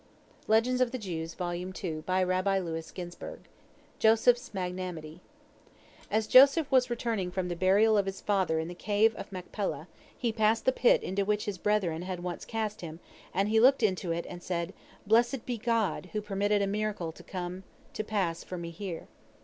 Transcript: JOSEPH'S MAGNANIMITY As Joseph was returning from the burial of his father in the Cave of Machpelah, he passed the pit into which his brethren had once cast him, and he looked into it, and said, "Blessed be God who permitted a miracle to come to pass for me here!"